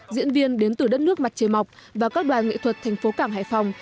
diễn viên đến từ đất nước mặt trời mọc và các đoàn nghệ thuật thành phố cảng hải phòng